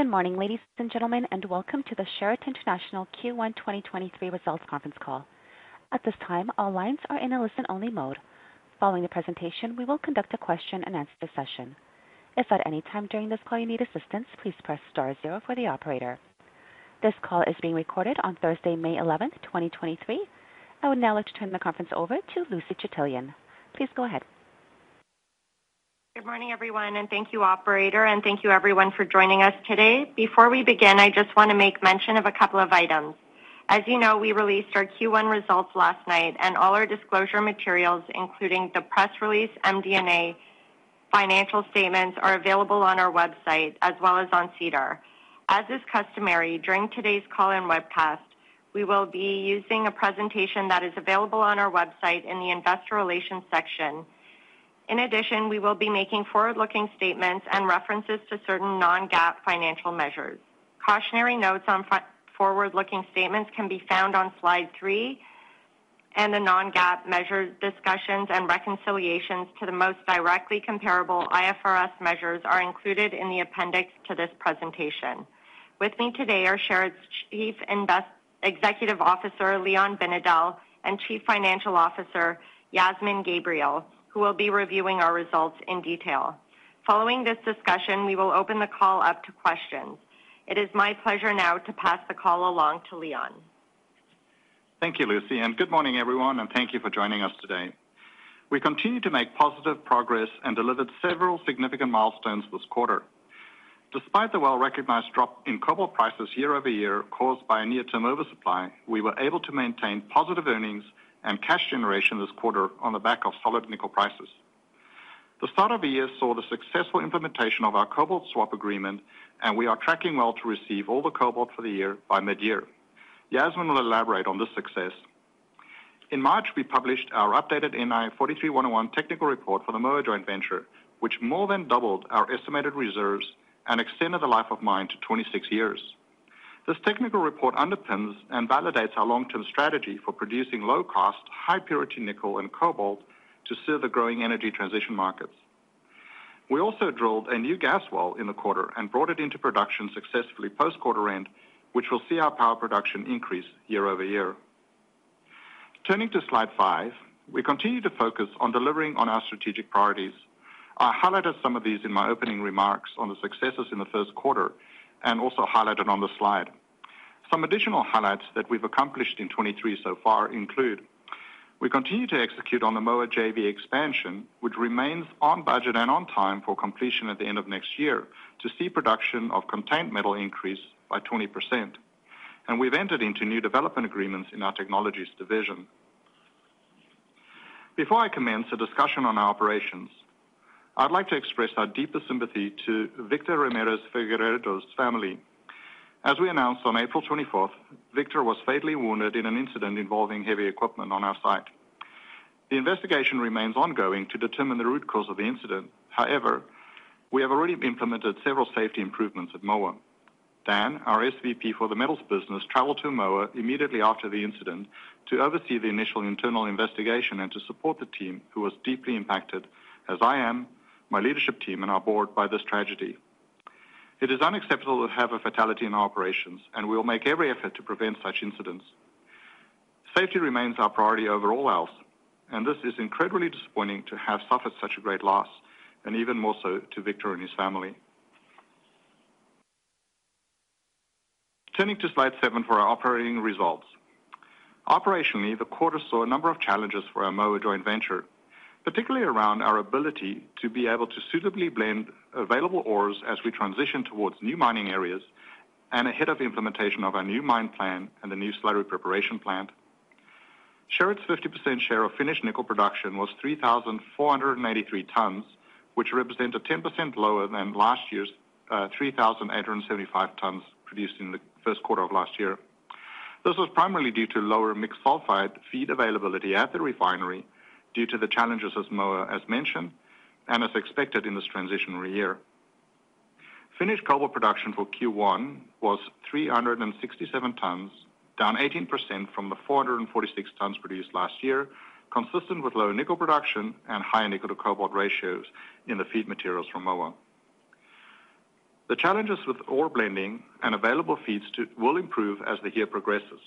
Good morning, ladies and gentlemen, and welcome to the Sherritt International Q1 2023 Results Conference Call. At this time, all lines are in a listen-only mode. Following the presentation, we will conduct a question-and-answer session. If at any time during this call you need assistance, please press star 0 for the operator. This call is being recorded on Thursday, May 11, 2023. I would now like to turn the conference over to Lucy Ciesielski. Please go ahead. Good morning, everyone, and thank you operator, and thank you everyone for joining us today. Before we begin, I just wanna make mention of a couple of items. As you know, we released our Q1 results last night and all our disclosure materials, including the press release MD&A financial statements, are available on our website as well as on SEDAR. As is customary, during today's call and webcast, we will be using a presentation that is available on our website in the investor relations section. In addition, we will be making forward-looking statements and references to certain non-GAAP financial measures. Cautionary notes on forward-looking statements can be found on slide three, and the non-GAAP measure discussions and reconciliations to the most directly comparable IFRS measures are included in the appendix to this presentation. With me today are Sherritt's Chief Executive Officer, Leon Binedell, and Chief Financial Officer, Yasmin Gabriel, who will be reviewing our results in detail. Following this discussion, we will open the call up to questions. It is my pleasure now to pass the call along to Leon. Thank you, Lucy. Good morning, everyone, thank you for joining us today. We continue to make positive progress and delivered several significant milestones this quarter. Despite the well-recognized drop in cobalt prices year-over-year caused by a near-term oversupply, we were able to maintain positive earnings and cash generation this quarter on the back of solid nickel prices. The start of the year saw the successful implementation of our Cobalt Swap agreement. We are tracking well to receive all the cobalt for the year by mid-year. Yasmin will elaborate on this success. In March, we published our updated NI 43-101 technical report for the Moa Joint Venture, which more than doubled our estimated reserves and extended the life of mine to 26 years. This technical report underpins and validates our long-term strategy for producing low-cost, high-purity nickel and cobalt to serve the growing energy transition markets. We also drilled a new gas well in the quarter and brought it into production successfully post quarter end, which will see our power production increase year-over-year. Turning to slide five, we continue to focus on delivering on our strategic priorities. I highlighted some of these in my opening remarks on the successes in the first quarter and also highlighted on the slide. Some additional highlights that we've accomplished in 2023 so far include: We continue to execute on the Moa JV expansion, which remains on budget and on time for completion at the end of next year to see production of contained metal increase by 20%. We've entered into new development agreements in our technologies division. Before I commence a discussion on our operations, I'd like to express our deepest sympathy to Victor Ramirez Figueiredo's family. As we announced on April 24th, Victor was fatally wounded in an incident involving heavy equipment on our site. The investigation remains ongoing to determine the root cause of the incident. However, we have already implemented several safety improvements at Moa. Dan, our SVP for the metals business, traveled to Moa immediately after the incident to oversee the initial internal investigation and to support the team who was deeply impacted, as I am, my leadership team and our board, by this tragedy. It is unacceptable to have a fatality in our operations and we'll make every effort to prevent such incidents. Safety remains our priority over all else, and this is incredibly disappointing to have suffered such a great loss and even more so to Victor and his family. Turning to slide seven for our operating results. Operationally, the quarter saw a number of challenges for our Moa Joint Venture, particularly around our ability to be able to suitably blend available ores as we transition towards new mining areas and ahead of the implementation of our new mine plan and the new slurry preparation plant. Sherritt's 50% share of finished nickel production was 3,483 tons, which represent a 10% lower than last year's 3,875 tons produced in the first quarter of last year. This was primarily due to lower mixed sulfide feed availability at the refinery due to the challenges of Moa, as mentioned, and as expected in this transitionary year. Finished cobalt production for Q1 was 367 tons, down 18% from the 446 tons produced last year, consistent with low nickel production and high nickel-to-cobalt ratios in the feed materials from Moa. The challenges with ore blending and available feeds will improve as the year progresses.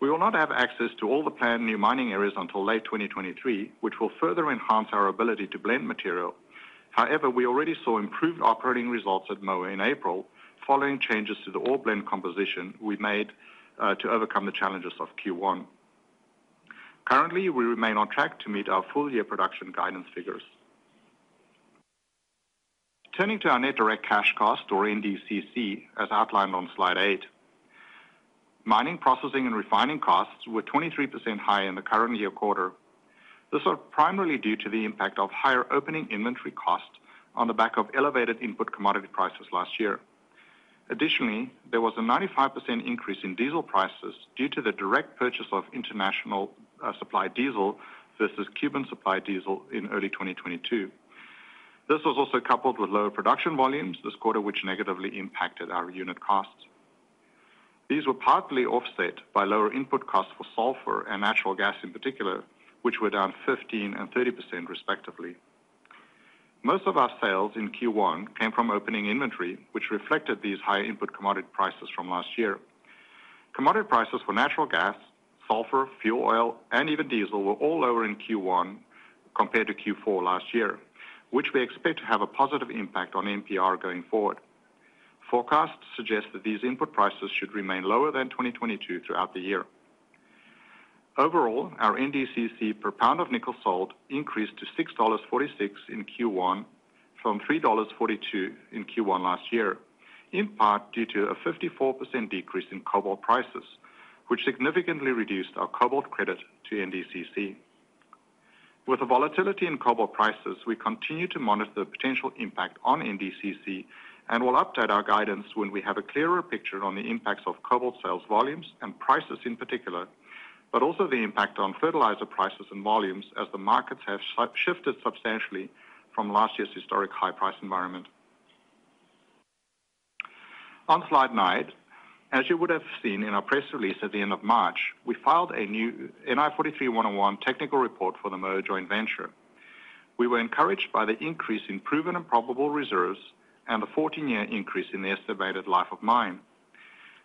We will not have access to all the planned new mining areas until late 2023, which will further enhance our ability to blend material. However, we already saw improved operating results at Moa in April following changes to the ore blend composition we made to overcome the challenges of Q1. Currently, we remain on track to meet our full-year production guidance figures. Turning to our net direct cash cost or NDCC, as outlined on slide 8. Mining, processing, and refining costs were 23% higher in the current year quarter. This was primarily due to the impact of higher opening inventory costs on the back of elevated input commodity prices last year. There was a 95% increase in diesel prices due to the direct purchase of international supply diesel versus Cuban supply diesel in early 2022. This was also coupled with lower production volumes this quarter, which negatively impacted our unit costs. These were partly offset by lower input costs for sulfur and natural gas in particular, which were down 15% and 30% respectively. Most of our sales in Q1 came from opening inventory, which reflected these high input commodity prices from last year. Commodity prices for natural gas, sulfur, fuel oil, and even diesel were all lower in Q1 compared to Q4 last year, which we expect to have a positive impact on NPR going forward. Forecasts suggest that these input prices should remain lower than 2022 throughout the year. Overall, our NDCC per pound of nickel sold increased to $6.46 in Q1 from $3.42 in Q1 last year, in part due to a 54% decrease in cobalt prices, which significantly reduced our cobalt credit to NDCC. With the volatility in cobalt prices, we continue to monitor the potential impact on NDCC and will update our guidance when we have a clearer picture on the impacts of cobalt sales volumes and prices in particular, but also the impact on fertilizer prices and volumes as the markets have shifted substantially from last year's historic high price environment. On slide nine, as you would have seen in our press release at the end of March, we filed a new NI 43-101 technical report for the Moa Joint Venture. We were encouraged by the increase in proven and probable reserves and the 14-year increase in the estimated life of mine.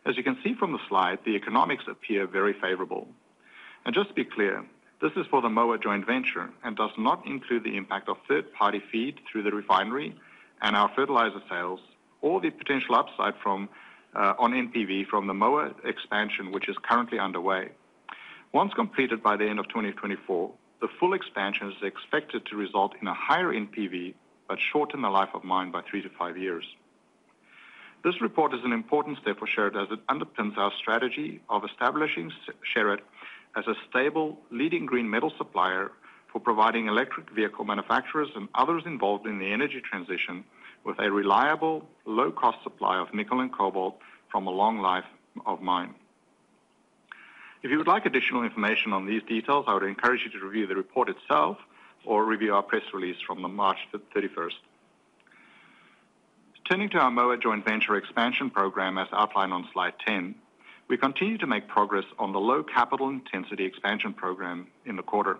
As you can see from the slide, the economics appear very favorable. Just to be clear, this is for the Moa Joint Venture and does not include the impact of third-party feed through the refinery and our fertilizer sales or the potential upside from on NPV from the Moa expansion, which is currently underway. Once completed by the end of 2024, the full expansion is expected to result in a higher NPV, but shorten the life of mine by three to five years. This report is an important step for Sherritt as it underpins our strategy of establishing Sherritt as a stable leading green metal supplier for providing electric vehicle manufacturers and others involved in the energy transition with a reliable, low-cost supply of nickel and cobalt from a long life of mine. If you would like additional information on these details, I would encourage you to review the report itself or review our press release from the March 31st. Turning to our Moa Joint Venture expansion program as outlined on slide 10, we continue to make progress on the low capital intensity expansion program in the quarter.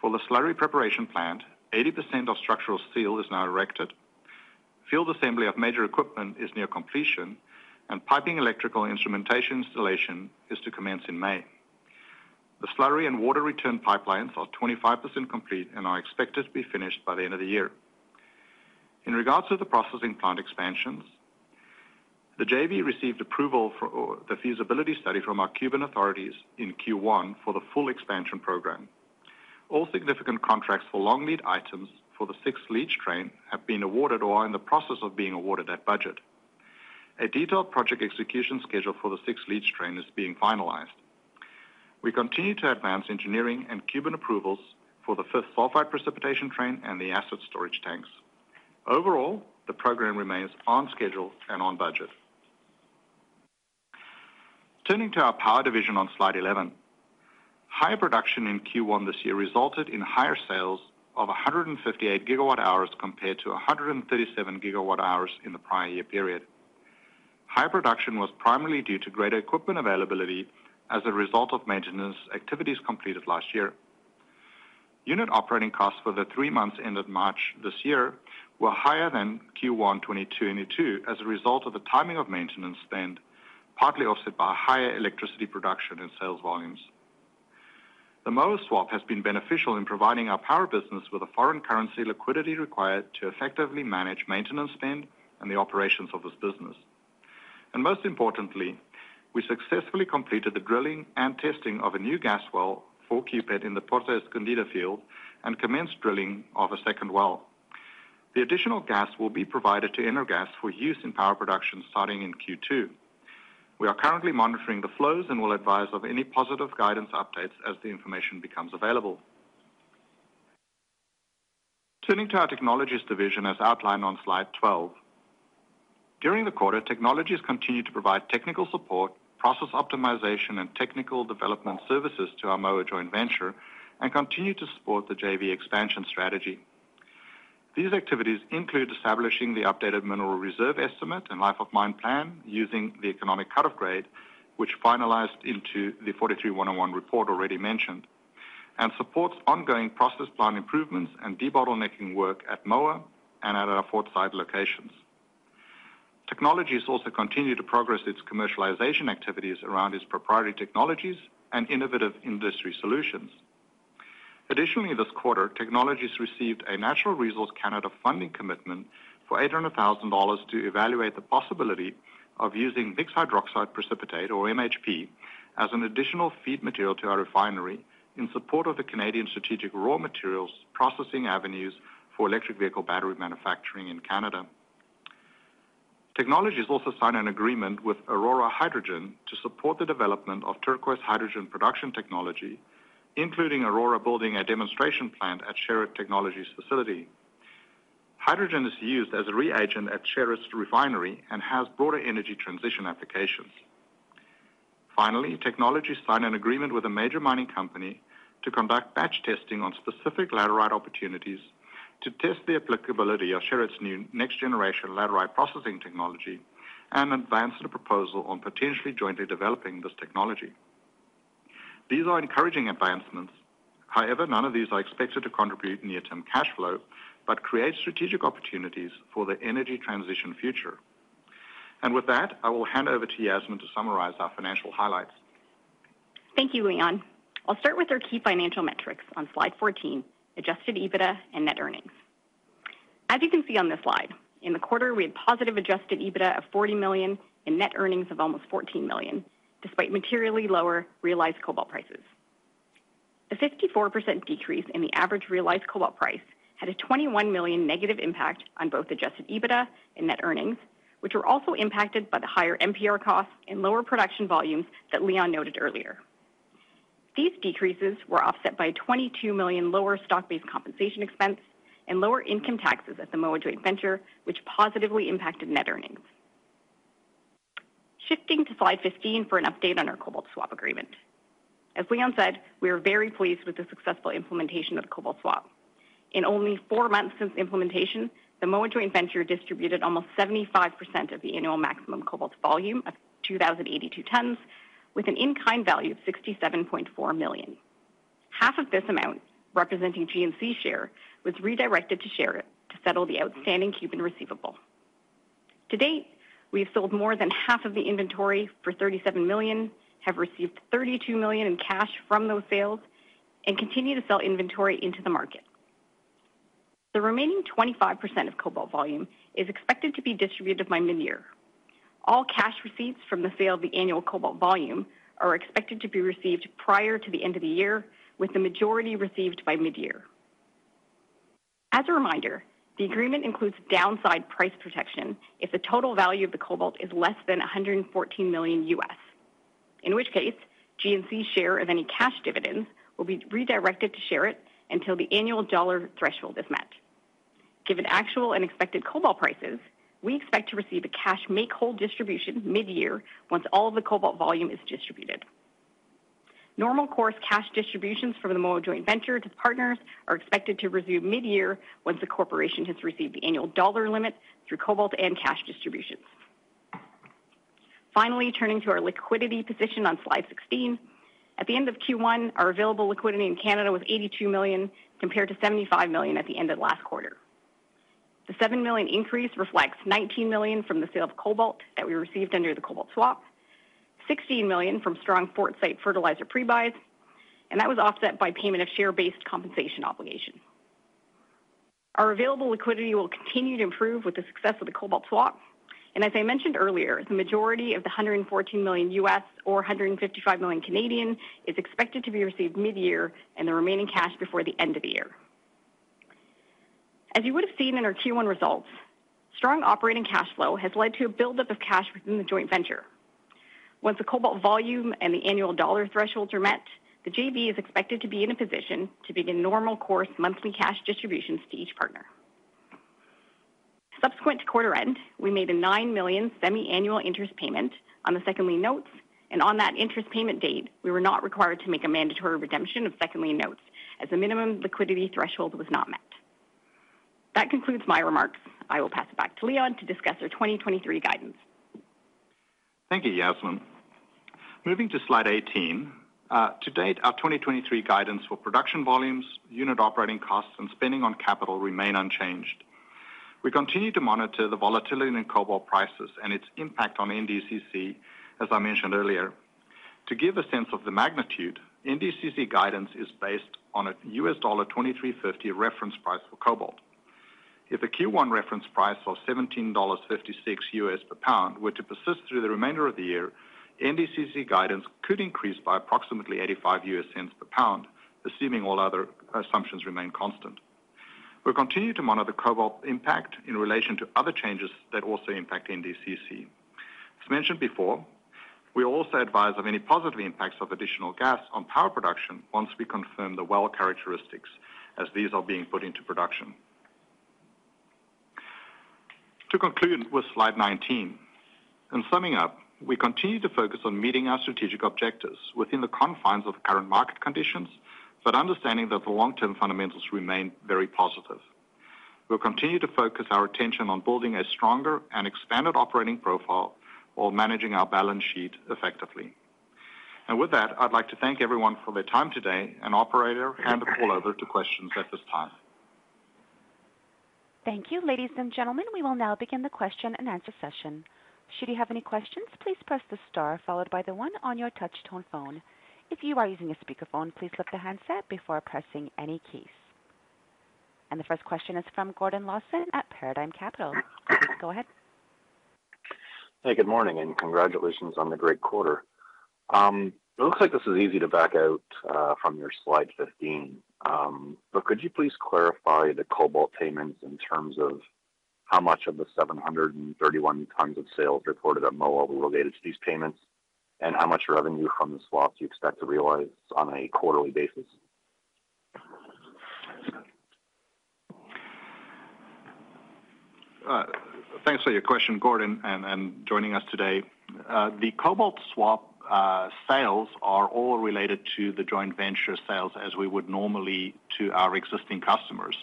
For the slurry preparation plant, 80% of structural steel is now erected. Field assembly of major equipment is near completion, and piping electrical instrumentation installation is to commence in May. The slurry and water return pipelines are 25% complete and are expected to be finished by the end of the year. In regards to the processing plant expansions, the JV received approval for the feasibility study from our Cuban authorities in Q1 for the full expansion program. All significant contracts for long-lead items for the sixth leach train have been awarded or are in the process of being awarded at budget. A detailed project execution schedule for the sixth leach train is being finalized. We continue to advance engineering and Cuban approvals for the first sulfide precipitation train and the acid storage tanks. Overall, the program remains on schedule and on budget. Turning to our power division on slide 11. Higher production in Q1 this year resulted in higher sales of 158 gigawatt hours compared to 137 gigawatt hours in the prior year period. Higher production was primarily due to greater equipment availability as a result of maintenance activities completed last year. Unit operating costs for the three months ended March this year were higher than Q1 2022 as a result of the timing of maintenance spend, partly offset by higher electricity production and sales volumes. The Moa swap has been beneficial in providing our power business with a foreign currency liquidity required to effectively manage maintenance spend and the operations of this business. Most importantly, we successfully completed the drilling and testing of a new gas well for Cupet in the Puerto Escondido field and commenced drilling of a second well. The additional gas will be provided to Energas for use in power production starting in Q2. We are currently monitoring the flows and will advise of any positive guidance updates as the information becomes available. Turning to our technologies division as outlined on slide 12. During the quarter, technologies continued to provide technical support, process optimization, and technical development services to our Moa Joint Venture and continued to support the JV expansion strategy. These activities include establishing the updated mineral reserve estimate and life of mine plan using the economic cut-off grade, which finalized into the NI 43-101 report already mentioned, and supports ongoing process plan improvements and debottlenecking work at Moa and at our Port Side locations. Technologies also continue to progress its commercialization activities around its proprietary technologies and innovative industry solutions. Additionally, this quarter, Technologies received a Natural Resources Canada funding commitment for $800,000 to evaluate the possibility of using Mixed Hydroxide Precipitate or MHP as an additional feed material to our refinery in support of the Canadian strategic raw materials processing avenues for electric vehicle battery manufacturing in Canada. Technologies also signed an agreement with Aurora Hydrogen to support the development of Turquoise Hydrogen production technology, including Aurora building a demonstration plant at Sherritt Technologies facility. Hydrogen is used as a reagent at Sherritt's refinery and has broader energy transition applications. Finally, Technologies signed an agreement with a major mining company to conduct batch testing on specific laterite opportunities to test the applicability of Sherritt's new next generation laterite processing technology and advance the proposal on potentially jointly developing this technology. These are encouraging advancements. However, none of these are expected to contribute near-term cash flow, but create strategic opportunities for the energy transition future. With that, I will hand over to Yasmin to summarize our financial highlights. Thank you, Leon. I'll start with our key financial metrics on slide 14, adjusted EBITDA and net earnings. As you can see on this slide, in the quarter, we had positive adjusted EBITDA of $40 million and net earnings of almost $14 million, despite materially lower realized cobalt prices. The 54% decrease in the average realized cobalt price had a $21 million negative impact on both adjusted EBITDA and net earnings, which were also impacted by the higher NPR costs and lower production volumes that Leon noted earlier. These decreases were offset by a $22 million lower stock-based compensation expense and lower income taxes at the Moa Joint Venture, which positively impacted net earnings. Shifting to slide 15 for an update on our Cobalt Swap agreement. As Leon said, we are very pleased with the successful implementation of the Cobalt Swap. In only four months since implementation, the Moa Joint Venture distributed almost 75% of the annual maximum cobalt volume of 2,082 tons with an in-kind value of $67.4 million. Half of this amount, representing GNC share, was redirected to Sherritt to settle the outstanding Cuban receivable. To date, we have sold more than half of the inventory for $37 million, have received $32 million in cash from those sales, and continue to sell inventory into the market. The remaining 25% of cobalt volume is expected to be distributed by mid-year. All cash receipts from the sale of the annual cobalt volume are expected to be received prior to the end of the year, with the majority received by mid-year. As a reminder, the agreement includes downside price protection if the total value of the cobalt is less than $114 million, in which case GNC's share of any cash dividends will be redirected to Sherritt until the annual dollar threshold is met. Given actual and expected cobalt prices, we expect to receive a cash make-whole distribution mid-year once all of the cobalt volume is distributed. Normal course cash distributions from the Moa Joint Venture to partners are expected to resume mid-year once the corporation has received the annual dollar limit through cobalt and cash distributions. Turning to our liquidity position on slide 16. At the end of Q1, our available liquidity in Canada was $82 million compared to $75 million at the end of last quarter. The $7 million increase reflects $19 million from the sale of cobalt that we received under the Cobalt Swap, $16 million from strong Fort Site fertilizer pre-buys, and that was offset by payment of share-based compensation obligation. Our available liquidity will continue to improve with the success of the Cobalt Swap. As I mentioned earlier, the majority of the $114 million or 155 million is expected to be received mid-year and the remaining cash before the end of the year. As you would have seen in our Q1 results, strong operating cash flow has led to a buildup of cash within the joint venture. Once the cobalt volume and the annual dollar thresholds are met, the JV is expected to be in a position to begin normal course monthly cash distributions to each partner. Subsequent to quarter end, we made a $9 million semi-annual interest payment on the second lien notes. On that interest payment date, we were not required to make a mandatory redemption of second lien notes as the minimum liquidity threshold was not met. That concludes my remarks. I will pass it back to Leon to discuss our 2023 guidance. Thank you, Yasmin. Moving to slide 18. To date, our 2023 guidance for production volumes, unit operating costs, and spending on capital remain unchanged. We continue to monitor the volatility in cobalt prices and its impact on NDCC, as I mentioned earlier. To give a sense of the magnitude, NDCC guidance is based on a $23.50 reference price for cobalt. If a Q1 reference price of $17.56 per pound were to persist through the remainder of the year, NDCC guidance could increase by approximately $0.85 per pound, assuming all other assumptions remain constant. We'll continue to monitor cobalt impact in relation to other changes that also impact NDCC. As mentioned before, we also advise of any positive impacts of additional gas on power production once we confirm the well characteristics as these are being put into production. To conclude with slide 19. In summing up, we continue to focus on meeting our strategic objectives within the confines of current market conditions, understanding that the long-term fundamentals remain very positive. We'll continue to focus our attention on building a stronger and expanded operating profile while managing our balance sheet effectively. With that, I'd like to thank everyone for their time today. Operator, hand the call over to questions at this time. Thank you. Ladies and gentlemen, we will now begin the question and answer session. Should you have any questions, please press the star followed by the one on your touch tone phone. If you are using a speakerphone, please lift the handset before pressing any keys. The first question is from Gordon Lawson at Paradigm Capital. Please go ahead. Hey, good morning, and congratulations on the great quarter. It looks like this is easy to back out, from your slide 15. Could you please clarify the cobalt payments in terms of how much of the 731 tons of sales reported at Moa were related to these payments, and how much revenue from the swaps you expect to realize on a quarterly basis? Thanks for your question, Gordon, and joining us today. The Cobalt Swap sales are all related to the joint venture sales as we would normally to our existing customers.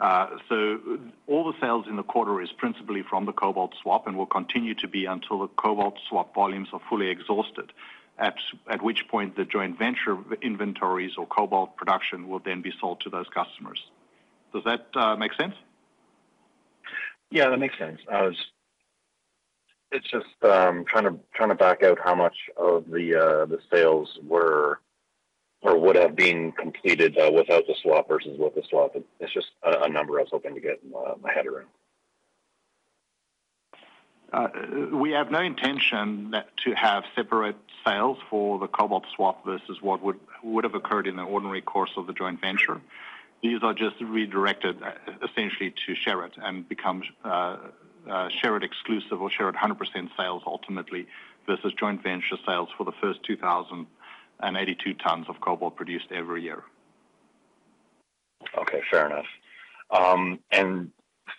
All the sales in the quarter is principally from the Cobalt Swap and will continue to be until the Cobalt Swap volumes are fully exhausted at which point the joint venture inventories or cobalt production will then be sold to those customers. Does that make sense? Yeah, that makes sense. It's just trying to back out how much of the sales were or would have been completed without the swap versus with the swap. It's just a number I was hoping to get my head around. We have no intention to have separate sales for the Cobalt Swap versus what would have occurred in the ordinary course of the joint venture. These are just redirected essentially to Sherritt and become shared exclusive or shared 100% sales ultimately versus joint venture sales for the first 2,082 tons of cobalt produced every year. Okay, fair enough.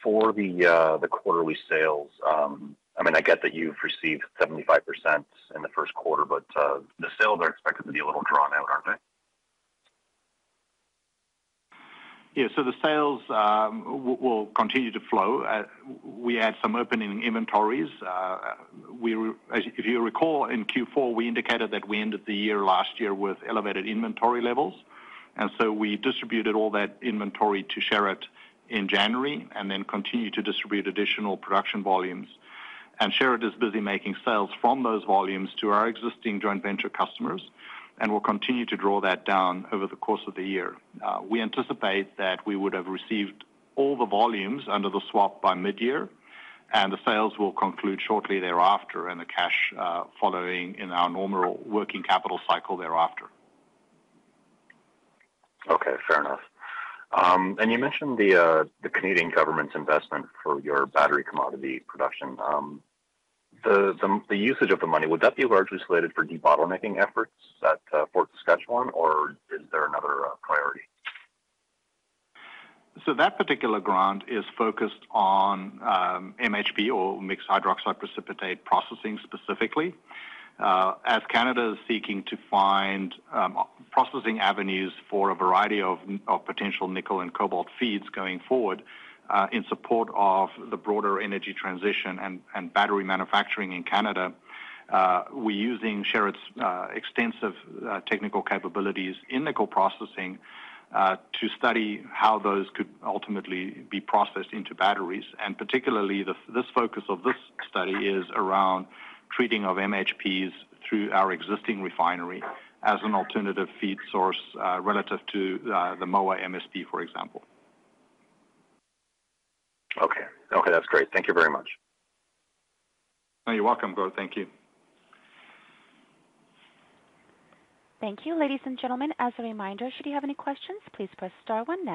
For the quarterly sales, I mean, I get that you've received 75% in the first quarter, the sales are expected to be a little drawn out, aren't they? Yeah. The sales will continue to flow. We had some opening inventories. If you recall in Q4 we indicated that we ended the year last year with elevated inventory levels, we distributed all that inventory to Sherritt in January and continue to distribute additional production volumes. Sherritt is busy making sales from those volumes to our existing joint venture customers and will continue to draw that down over the course of the year. We anticipate that we would have received all the volumes under the swap by mid-year, the sales will conclude shortly thereafter and the cash following in our normal working capital cycle thereafter. Okay, fair enough. You mentioned the Canadian government's investment for your battery commodity production. The usage of the money, would that be largely slated for debottlenecking efforts at Fort Saskatchewan or is there another priority? That particular grant is focused on MHP or Mixed Hydroxide Precipitate processing specifically. As Canada is seeking to find processing avenues for a variety of potential nickel and cobalt feeds going forward, in support of the broader energy transition and battery manufacturing in Canada, we're using Sherritt's extensive technical capabilities in nickel processing to study how those could ultimately be processed into batteries. Particularly this focus of this study is around treating of MHPs through our existing refinery as an alternative feed source relative to the Moa MSP, for example. Okay. Okay, that's great. Thank you very much. You're welcome, Gordon. Thank you. Thank you. Ladies and gentlemen, as a reminder, should you have any questions, please press star one now.